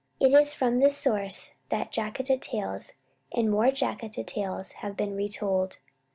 It is from this source that "Jataka Tales" and "More Jataka Tales" have been retold.